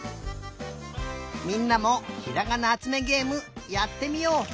みんなも「ひらがなあつめげえむ」やってみよう。